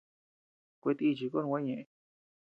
Kuetíchi kon gua ñeʼë.